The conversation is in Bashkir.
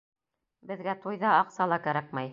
Беҙгә туй ҙа, аҡса ла кәрәкмәй!